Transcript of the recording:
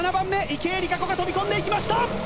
池江璃花子が飛び込んでいきました。